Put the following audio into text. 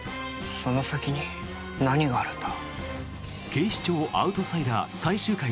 その先に何があるんだ。